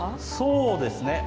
そうですね